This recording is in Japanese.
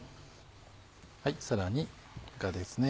さらにぬかですね